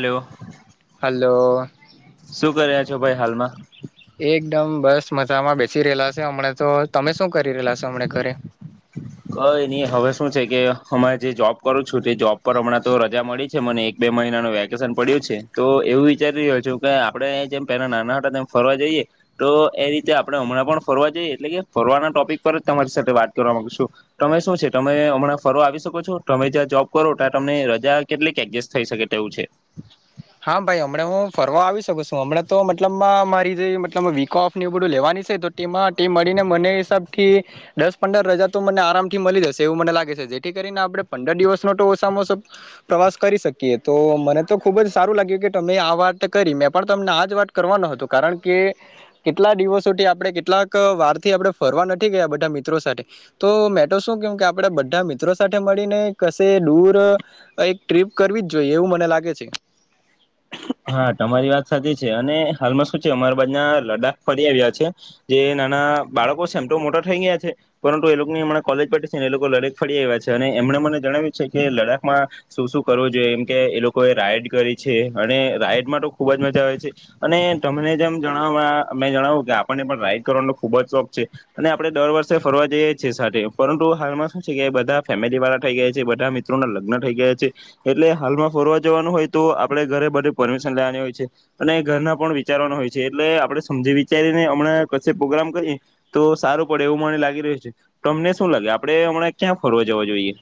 Hello hello. શું કર્યા છો ભાઈ હાલમાં. એકદમ બસ મજામાં બેસી રહેલા છે હમણે તો, તમે શું કરી રહેલા છો હમણે ઘરે? કઈ નહીં હવે શું છે કે હમાર જે જોબ કરું છું તે જોબ પર હમણાં તો રજા મળી છે મને એક બે મહિનાનું વેકેશન પડ્યું છે, તો એવું વિચારી રહ્યો છું કે આપડે અહિંયા જેમ પેલા નાના હતા તેમ ફરવા જઈએ તો એ રીતે આપણે હમણાં પણ ફરવા જઈએ એટલે કે ફરવાના ટોપિક પર જ તમારી સાથે વાત કરવા માગીશું. તમે શું છે તમે હમણાં ફરવા આવી શકો છો, તમે જ્યાં જોબ કરો ત્યાં તમને રજા કેટલીક એડજસ્ટ થઈ શકે તેવું છે? હા ભાઈ હમણા હું ફરવા આવી શકું સું, હમણા તો મતલબ મારી જે મતલબ વીક ઓફ બધું લેવાની છે તો ટીમાં ટી મળીને મને હિસાબ થી દસ પંદર રજા તો મને આરામ થી મલી જશે એવું મને લાગે છે, જેથી કરીને આપણે પંદર દિવસનો તો ઓસામાં ઓસો પ્રવાસ કરી શકીએ, તો મને તો ખુબ જ સારું લાગ્યું કે તમે આ વાત કરી. મેં પણ તમને આ જ વાત કરવા નો હતો કારણ કે કેટલા દિવસોથી આપણે કેટલાક વારથી આપણે ફરવા નથી ગયા બધા મિત્રો સાથે, તો મેં તો શું કેઉં કે આપણે બધા મિત્રો સાથે મળીને કશે દૂર એક ટ્રીપ કરવી જ જોઈએ એવું મને લાગે છે. હા તમારી વાત સાચી છે, અને હાલમાં શું છે અમારા બાજના લદાખ ફરી આવ્યા છે, જે નાના બાળકો સે એમટો મોટા થઈ ગયા છે પરંતુ એ લોકની મને કોલેજ [unintelligible] છે ને એ લોકો લડાક ફરી આવ્યા છે અને એમણે મને જણાવ્યું છે કે લદાખમાં શું શું કરવું જોઈએ, એમ કે એ લોકોએ રાઈડ કરી છે અને રાઈડમાં તો ખૂબ જ મજા આવે છે અને તમને જેમ જણાવવામાં મેં જણાવું કે આપણને પણ રાઈડ કરવાનો ખૂબ જ શોખ છે, અને આપણે દર વર્ષે ફરવા જઈએ છીએ સાથે પરંતુ હાલમાં શું છે કે બધા ફેમિલી વાળા થઈ ગયા છે, બધા મિત્રોના લગ્ન થઈ ગયા છે, એટલે હાલમાં ફરવા જવાનું હોય તો આપણે ઘરે રે બધે પરમિશન લેવાની હોય છે, અને ઘરના પણ વિચારવાના હોય છે એટલે આપણે સમજી વિચારીને હમણાં કસે પ્રોગ્રામ કરીએ તો સારું પડે એવું મને લાગી રહ્યું છે, તમને શું લાગે આપણે હમણાં ક્યાં ફરવા જવા જોઈએ?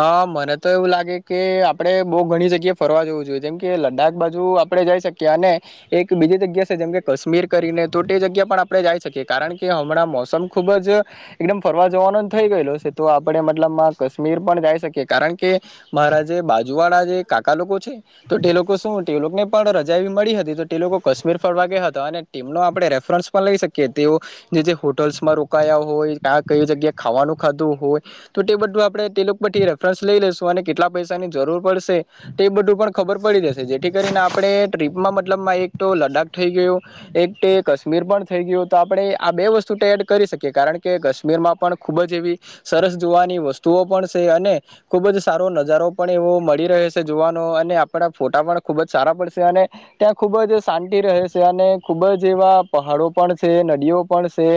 અહ મને તો એવું લાગે કે આપડે બહુ ઘણી જગ્યાએ ફરવા જવું જોઈએ, જેમ કે લદાખ બાજુ આપણે જઈ શકીએ અને એક બીજી જગ્યા છે જેમ કે કશ્મીર કરીને તો ટે જગ્યા પણ આપણે જાઈ શકીએ કારણ કે હમણાં મોસમ ખુબ જ એકદમ ફરવા જવાનો થઇ ગયેલો છે, તો આપણે મતલબમાં કશ્મીર પણ જાય શકીએ, કારણ કે મારા જે બાજુ વાળા જે કાકા લોક છે તો તે લોકો શું તે લોકને પણ રજા મળી હતી તો તે લોકો કશ્મીર ફરવા ગયા હતા અને ટેમનો આપણેે રેફરન્સ પણ લઈ શકીએ, તેઓ જે જે હોટલસમાં રોકાયા હોય કા કઈ જગ્યાએ ખાવાનું ખાધું હોય તો તે બધું આપણે તે લોક પરથી રેફરન્સ લઈ લેશું અને કેટલા પૈસાની જરૂર પડશે તે બધું પણ ખબર પડી દેશે, જેથી કરીને આપણે ટ્રીપમાં મતલબમાં એક તો લદ્દાખ થઈ ગયું, એક તે કશ્મીર પણ થઈ ગયું તો આપણે આ બે વસ્તુ તો એડ કરી શકીએ કારણ કે કશ્મીરમાં પણ ખુબ જ એવી સરસ જોવાની વસ્તુઓ પણ સે અને ખુબ જ સારો નજારો પણ એવો મળી રહે છે જોવાનો, અને આપણા ફોટા પણ ખુબ જ સારા પડશે અને ત્યાં ખુબ જ શાંતિ રહે છે, અને ખુબ જ એવા પહાડો પણ છે, નદીઓ પણ છે,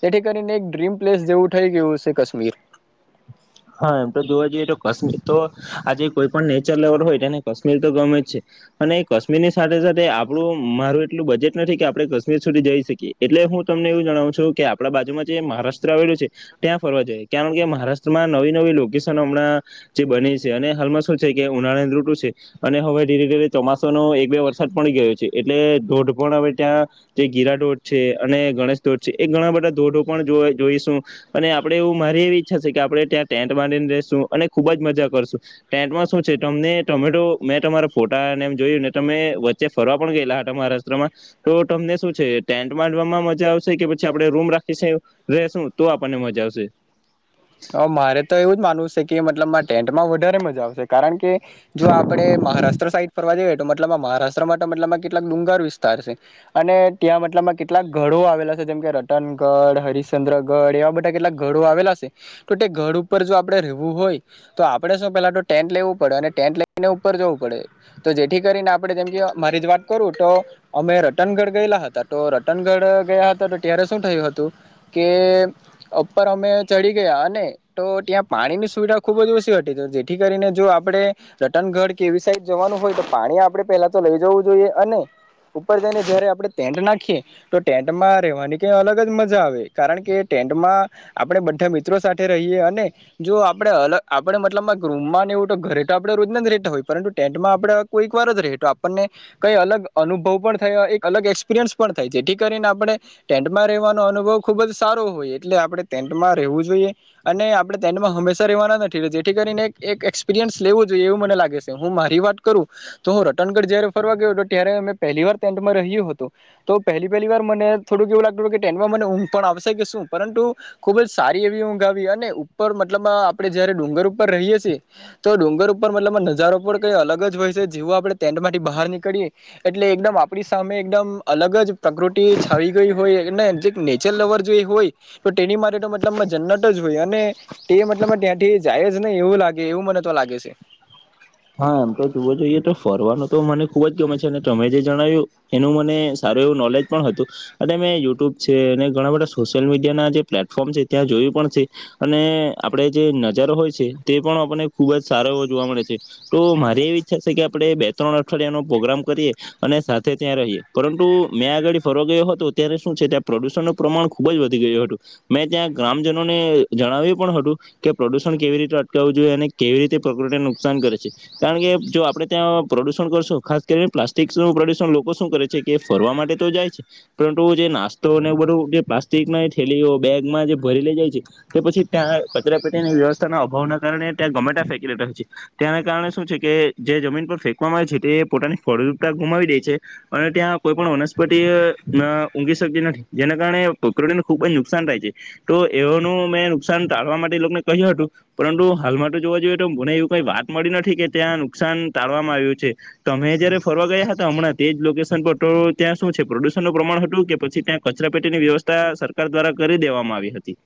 તેથી કરીને એક ડ્રીમ પ્લેસ જેવું થઈ ગયું છે કશ્મીર. હા એમ તો જોવા જઈએ તો કશ્મીર તો આજે કોઈ પણ નેચર લેવલ હોય તેને કશ્મીર તો ગમે જ છે અને એ કશ્મીરની સાથે સાથે આપડું મારું એટલું બજેટ નથી કે આપણે કશ્મીર સુધી જઈ શકીએ એટલે હું તમને એવું જણાવું છું કે આપડા બાજુમાં જે મહારાષ્ટ્ર આવેલું છે ત્યાં ફરવા જઈએ, કારણ કે મહારાસ ટમાં નવી નવી લોકેશન હમણાં જે બને છે અને હાલમાં શું છે કે ઉનાળાની ૠતું છે અને હવે ધીરે ધીરે ચોમાસા નો એક બે વરસાદ પડી ગયો છે એટલે ધોધ પણ હવે ત્યાં જે ગીરાડોઢ છે અને ગણેશ ધોઢ છે એ ઘણા બધા ધોધો પણ જોવાઈ જોઈશું અને આપડે એવું મારી એવી ઈચ્છા છે કે આપણે ત્યાં ટેન્ટ બનાવીને રેશું અને ખુબ જ મજા કરશું. ટેન્ટમાં શું છે તમને ટમે મેં તમારા ફોટા ને એમ જોયું ને તમે વચ્ચે ફરવા પણ ગયેલા હતા મહારાષ્ટ્રમાં, તો તમને શું છે ટેન્ટ માંડવામાં મજા આવશે, કે પછી આપણે રૂમ રાખીશે રેશું તો આપણને મજા આવશે. અહ મારે તો એવું જ માનવું છે કે મ મતલબમાં ટેન્ટમાં વધારે મજા આવશે. કારણ કે જો આપડે મહારાષ્ટ્ર સાઈડ ફરવા જઈએ, તો મતલબમાં મહારાષ્ટ્ર માટે મતલબમાં કેટલાક ડુંગાર વિસ્તાર છે, અને ત્યાં મતલબમાં કેટલાક ઘડો આવેલા છે, જેમ કે રતનગઢ, હરિશચંદ્રગઢ એવા બધા કેટલાક ઘડો આવેલા છે. તો તે ગઢ ઉપર જો આપણે રહેવું હોય તો આપણે શું પેલા તો ટેન્ટ લેવું પડે અને ટેન્ટ લઈને ઉપર જવું પડે, તો જેથી કરીને આપણે જેમ કે મારી જ વાત કરું તો અમે રતનગઢ ગયેલા હતા, તો રતનગઢ ગયા હતા, તો ત્યારે શું થયું હતું કે ઉપર અમે ચડી ગયા, અને તો ત્યાં પાણીની સુવિધા ખુબ જ ઓછી હતી. તો જેથી કરીને જો આપણે રટનગઢ કે એવી સાઈડ જવાનું હોય તો પાણી આપણે પેલા તો લઈ જવું જોઈએ. અને ઉપર જઈને જયારે આપણે ટેન્ટ નાખીએ તો ટેન્ટમાં રહેવાની કંઈ અલગ જ મજા આવે કારણ કે ટેન્ટમાં આપણે બ ધા મિત્રો સાથે રહીએ અને જો આપણે અલગ આપણે મતલબમાં એક રૂમ માં ને એવું તો ઘરે તો આપણે રોજ ના જ રેતા હોય પરંતુ ટેન્ટમાં આપડે કોઈક વાર જ રે, તો આપણને કઈ અલગ અનુભવ પણ થાય, એક અલગ એક્સપિરિયન્સ પણ થાય, જેથી કરીને આપણે ટેન્ટમાં રહેવાનો અનુભવ ખુબ જ સારો હોય એટલે આપણે ટેન્ટમાં રહેવું જોઈએ અને આપણે ટેન્ટમાં હંમેશા રેવાના નથી જેથી કરીને એક એક એક્સપિરિયન લેવું જોઈએ એવું મને લાગે છે. હું મારી વાત કરું તો હું રટનગઢ જયારે ફરવા ગયો હતો ત્યારે અમે પહેલી વાર ટેન્ટમાં રહ્યો હતો, તો પહેલી પહેલી વાર મને થોડુંક એવું લાગતું હતું ટેન્ટમાં મને ઊંઘ પણ આવશે કે શું પરંતુ ખુબ જ સારી એવી ઊંઘ આવી અને ઉપર મતલબ આપણે જે ડુંગર ઉપર રહીએ છી, તો ડુંગર ઉપર મતલબ નજારો પણ કઈ અલગ જ હોય છે, જેવું આપણે ટેન્ટ માંથી બહાર નીકળીએ એટલે એકદમ આપણી સામે એકદમ અલગ જ પ્રકૃતિ છાવી ગઈ હોય એને જે નેચર લવર જે હોય તો તેની માટે તો મત મતલબમાં જન્નત જ હોય, અને તે મતલબ ત્યાંથી જાય જ નહીં એવું લાગે એવું મને તો લાગે છે. હા એમ તો જોવો જોઈએ તો ફરવાનો તો મને ખુબ જ ગમે છે. અને તમે જે જણાવ્યું એનું મને સારું એવું નોલેજ પણ હતું, અને મેં યુટ્યુબ છે, અને ઘણા બધા સોશિયલ મીડિયાના જે પ્લેટફોર્મ છે, ત્યાં જોયું પણ છે, અને આપણે જે નજારો હોય છે, તે પણ આપણને ખૂબ જ સારો એવો જોવા મળે છે. તો મારી એવી ઈચ્છા છે કે આપણે બે ત્રણ અઠવાડિયાનો પ્રોગ્રામ કરીએ અને સાથે ત્યાં રહીએ, પરંતુ મેં આગળ ફરવા ગયો હતો ત્યારે શું છે, ત્યાં પ્રદુષણનું પ્રમાણ ખુબ જ વધી ગયું હતું, મેં ત્યાં ગ્રામજનોને જણાવ્યું પણ હતું, કે પ્રદુષણ કેવી રીતે અટકાવવું જોઈએ, અને કેવી રીતે પ્રકૃતિનું [unintelligible] કરે છે, કારણ કે જો આપણે ત્યાં પ્રદુષણ કરશું ખાસ કરીને પ્લાસ્ટિકસ નું પ્રદુષણ, લોકો શું કરે છે કે ફરવા માટે તો જાય છે પરંતુ જે નાસ્તોને એવું બધું જે પ્લાસ્ટિકમાં થેલીઓ, બેગમાં જે ભરી લે જાય છે, તે પછી ત્યાં કચરા પેટીની વ્યવસ્થાના અભાવના કારણે ત્યાં ગમેટા ફેંકી રહ્યા છે. તેના કારણે શું છે કે જે જમીન પર ફેંકવામાં આવે છે, તે પોતાની ફળદ્રુપતા ગુમાવી દે છે, અને ત્યાં કોઈ પણ વનસ્પતિ ના ઊંઘી શકતી નથી, જેના કારણે પકૃતીને ખુબ જ નુકસાન થાય છે. તો એઓનું મેં નુકસાન ટાળવા માટે લોકને કહ્યું હતું પરંતુ હાલમાં તો જોવા જોઈએ, તો મને એવું કાઈ વાત મળી નથી કે ત્યાં નુકસાન ટાળવામાં આવ્યું છે, તો અમે જયારે ફરવા ગયા હતા હમણાં તે જ લોકેશન પર તો ત્યાં શું છે પ્રદુષણ નું પ્રમાણ હતું કે પછી ત્યાં કચરા પેટીની વ્યવસ્થા સરકાર દ્વારા કરી દેવામાં આવી હતી.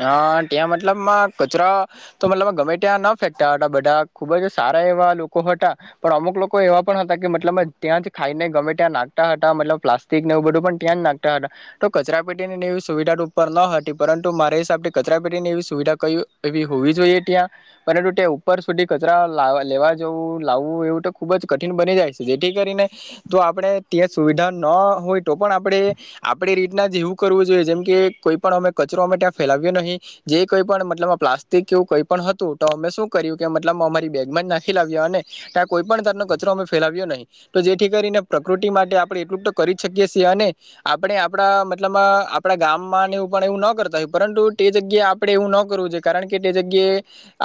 હા ત્યાં મતલબમાં કચરો તો મતલબ ગમે ત્યાં ન ફેંકતા હતા, બધા ખુબ જ સારા એવા લોકો હતા, પણ અમુક લોકો એવા પણ હતા. કે મતલબમાં ત્યાં થી ખાઈને ગમે ત્યાં નાખતા હતા, મતલબ પ્લાસ્ટિક ને એવું બધું પણ ત્યાં જ નાખતા હતા, તો કચરા પેટી એવી સુવિધા ઉપર ન હતી, પરંતુ મારે સાબથી કચરા પેટીને એવી સુવિધા કઈ એવી હોવી જોઈએ ત્યાં, પરંતુ ત્યાં ઉપર સુધી કચરા લાવા લેવા જવું, લાવવું, એવું તો ખુબ જ કઠિન બની જાય છે, જેથી કરીને જો આપણે ત્યાં સુવિધા ન હોય તો પણ આપણે આપણી રીતના જ એવું કરવું જોઈએ, જેમ કે કોઈ પણ અમે કચરો અમે ત્યાં ફેલાવ્યો નહી, જે કોઈ પણ મતલબમાં પ્લાસ્ટિક એવું કંઈ પણ હતું, તો અમે શું કર્યું કે મતલબ અમારી બેગમાં જ નાખી લાવ્યા અને ત્યાં કોઈ પણ ઘર નો કચરો અમે ફેલાવ્યો નહીં. તો જેથી કરીને પ્રકૃતિ માટે આપણે એટલું તો કરી જ શકીએ સીએ, અને આપણે આપણા મતલબમાં આપણા ગામમાંને એવું પણ એવું ન કરતા હોય પરંતુ તે જગ્યાએ આપણે એવું ન કરવું જોઈએ, કારણ કે તે જગ્યાએ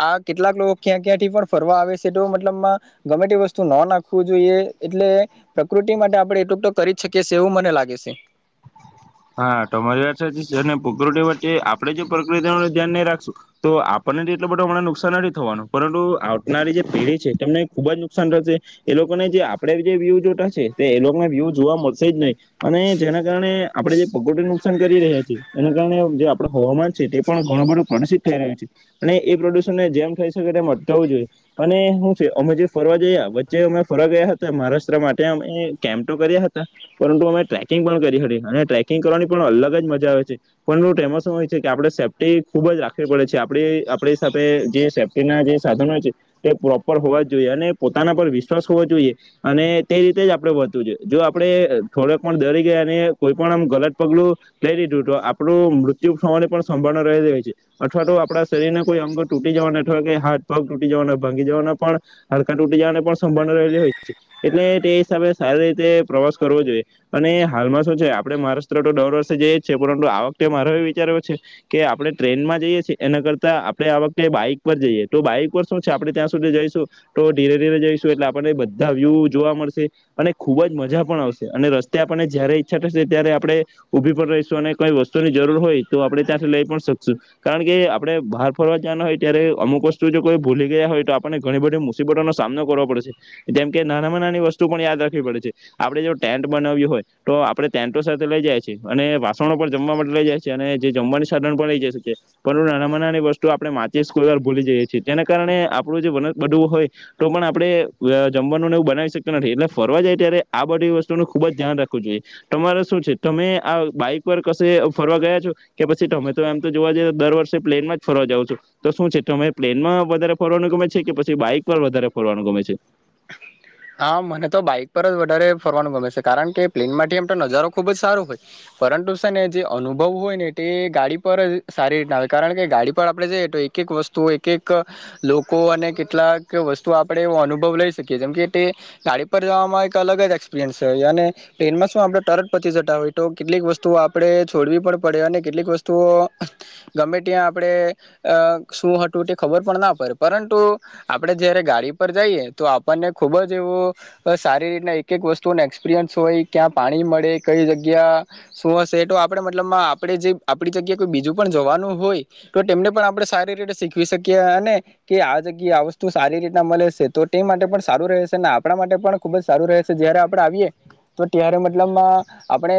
આ કેટલાક લોકો ક્યાં ક્યાં થી પણ ફરવા આવે છે, તો મતલબમાં ગમે તે વસ્તુ ન નાખવું જોઈએ, એટલે પ્રકૃતિ માટે આપણે એટલું જ તો કરી જ શકીએ સીએ એવું મને લાગે છે. હા તમારી વાત સાચી છે. અને પ્રકૃતી વચ્ચે આપણેે જે પ્રકૃતિનું ધ્યાન નહી રાખશું તો આપણને જ એટલો બધોને નુકસાન નથી થવાનું પરંતુ આવનારી જે પેઢી છે, તેમને ખુબ જ નુકસાન થશે, એ લોકોને જે આપણેે જે વ્યૂ જોતા છે, તે એ લોકને વ્યુ જોવા મળશે જ નહી. અને જેના કારણે આપણે જે પ્રકૃતીનું નુકસાન કરી રહ્યા છી, એના કારણે જે આપણો હવામાન છે, તે પણ ઘણું બધું પ્રદુષિત થઈ રહ્યું છે. અને એ પ્રદુષણને જેમ થઈ શકે તેમ અટકાવવું જોઈએ. અને શું છે, અમે જે ફરવા જયા વચ્ચે અમે ફરવા ગયા હતા મહારાષ્ટ્ર માં, ત્યાં અમે કેમ્પ તો કર્યા હતા. પરંતુ અમે ટ્રેકિંગ પણ કરી હતી. અને ટ્રેકિંગ કરવાની પણ અલગ જ મજા હોય છે, પરંતુ તેમ શું હોય છે, કે આપણે સેફ્ટી ખુબ જ રાખવી પડે છે, આપણે આપણી હિસાબે જે સેફ્ટીના જે સાધન હોય છે, તે પ્રોપર હોવા જ જોઈએ. અને પોતાના પર વિશ્વાસ હોવો જોઈએ. અને તે જ રીતે જ આપણે વધવું જોઈએ. જો આપણે થોડેષપણ ડરી ગયા અને કોઈ પરમ ગલત પગલું લઈ લીધું તો આપણું મૃત્યુ થવાને પણ સંભાવના રહી જાય છે. અથવા તો આપડા શરીરના કોઈ અંગ પણ તૂટી જવાના અથવા કે હાથ પગ તૂટી જવાના ભાંગી જવાના પણ હાંડકા તૂટી જવાની પણ સંભાવના રહેલી હોય જ છે, એટલે તે હિસાબે સારી રીતે પ્રવાસ કરવો જોઈએ. અને હાલમાં શું છે આ આપણે મહારાષ્ટ્ર તો દર વર્ષે જઈએ જ છીએ પરંતુ આ વખતે મારો એ વિચાર એવો છે કે આપણે ટ્રેનમાં જઈએ છીએ એના કરતા આપણેે આ વખતે બાઈક પર જઈએ તો બાઈક પર શું છે આપણે ત્યાં સુધી જઈશું તો ધીરે ધીરે જઈશું એટલે આપણને બધા વ્યૂ જોવા મળશે અને ખૂબ જ મજા પણ આવશે અને રસ્તે આપણને જયારે ઈચ્છા ત્યારે આપણે ઉભી પણ રહીશું અને કઈ વસ્તુની જરૂર હોય તો આપણે ત્યાંથી લઈ પણ શકશું, કારણ કે આપણે બહાર ફરવા જવાના હોય ત્યારે અમુક વસ્તુ જો કોઈ ભૂલી ગયા હોય તો આપણને ઘણી બધી મુસીબતોનો સામનો કરવો પડે શે, જેમ કે નાનામાં નાની વસ્તુ પણ યાદ રાખવી પડે છે, આપડે જો ટેન્ટ બનાવી હોય તો આપણે ટેન્ટો સાથે લઈ જાય છી, અને વાસણો પણ જમવા માટે લઈ જાય છી, અને જે જમવાની સાધન પણ લઈ જાય શકીએ, પરંતુ નાનામાં નાની વસ્તુ આપણે [unintelligible] જ કોઈ વાર ભૂલી જઈએ છીએ. જેના કારણે આપણું જે વન જ બધું હોય તો પણ આપણેે અહ જમવાનું ને એવું બનાવી શકતા નથી. એટલે ફરવા જાય ત્યારે આ બધી વસ્તુનું ખુબ જ ધ્યાન રાખવું જોઈએ. તમારે શું છે, તમે આ બાઈક પર કશેય ફરવા ગયા છો? કે પછી તમે તો, એમ જોવા જઈએ તો, દર વર્ષે પ્લેનમાં જ ફરવા જાઓ છો? તો શું છે, તમને પ્લેનમાં વધારે ફરવું ગમે છે કે પછી બાઈક પર વધારે ફરવાનું ગમે છે? હા, મને તો બાઈક પર જ વધારે ફરવાનું ગમે છે, કારણ કે પ્લેનમાંથી એમ તો નજારો ખૂબ જ સારો હોય, પરંતુ જે અનુભવ હોય ને, તે ગાડી પર જ સારી રીતે આવે, કારણ કે ગાડી પર આપણે જઈએ, તો એક-એક વસ્તુ, એક-એક લોકો અને કેટલાક વસ્તુ આપણે એવો અનુભવ લઈ શકીએ છીએ, જેમ કે કે ગાડી પર જવામાં એક અલગ જ એક્સપિરિયન્સ છે. અને પ્લેનમાં શું, આપણે તરત પહોંચી જતા હોઈએ, તો કેટલીક વસ્તુઓ આપણે છોડવી પણ પડે, અને કેટલીક વસ્તુઓ ગમે ત્યાં આપણે અહ શું હતું તેની ખબર પણ ન પડે, પરંતુ આપણે જ્યારે ગાડી પર જઈએ, તો આપણને ખૂબ જ એવો સારી રીતના એક-એક વસ્તુનો એક્સપિરિયન્સ હોય, ક્યાં પાણી મળે, કઈ જગ્યા શું હશે, એ તો આપણે મતલબમાં આપણે જે આપણી જગ્યાએ કોઈ બીજું પણ જવાનું હોય તો તેમને પણ આપણે સારી રીતે શીખવી શકીએ અને કે આ જગ્યાએ આ વસ્તુ સારી રીતના મલે સે તો તે માટે પણ સારું રહે સે, અને આપણા માટે પણ ખૂબ જ સારું રહે છે, જયારે આપણે આવીએ તો ત્યારે મતલબમાં આપણે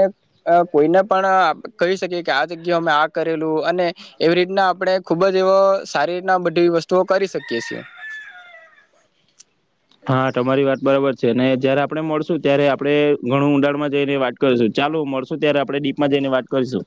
કોઈને પણ કહી શકીએ, કે આ જગ્યા અમે આ કરેલું અને એવી રીતના આપણે ખૂબ જ એવો સારી રીતના બધી વસ્તુઓ કરી શકીએ છીએ. હા તમારી વાત બરાબર છે અને જયારે આપણે મળશું ત્યારે આપણે ઘણું ઊંડાણમાં જઈને વાત કરીશું, ચાલો મળશું ત્યારે આપણે ડીપમાં જઈને વાત કરીશું.